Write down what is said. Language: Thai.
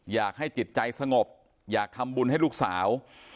อยากให้จิตใจสงบอยากทำบุญให้ลูกสาว